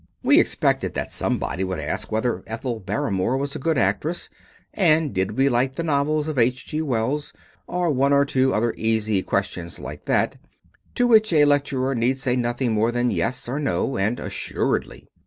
We expected that somebody would ask whether Ethel Barrymore was a good actress, and did we like the novels of H.G. Wells, or one or two other easy questions like that, to which a lecturer need say nothing more than "yes" or "no" or "assuredly."